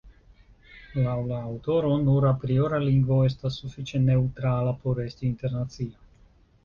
Laŭ la aŭtoro, nur apriora lingvo estas sufiĉe neŭtrala por esti internacia.